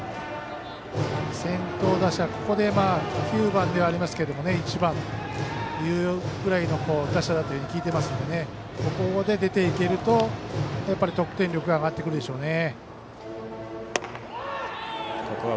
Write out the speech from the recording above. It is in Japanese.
先頭打者ここは９番ではありますけど１番というぐらいの打者だと聞いていますのでここで出ていけると得点力が上がってくるでしょうね。